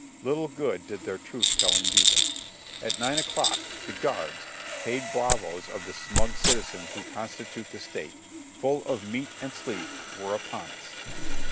Little good did their truth telling do them. At nine o'clock the guards, paid bravoes of the smug citizens who constitute the state, full of meat and sleep, were upon us.